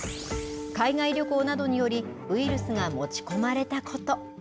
海外旅行などによりウイルスが持ち込まれたこと。